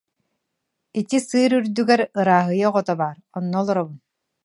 Ити сыыр үрдүгэр ырааһыйа оҕото баар, онно олоробун